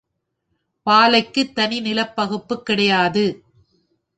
பாலைக்குத் தனி நிலப்பகுப்புக் கிடையாது.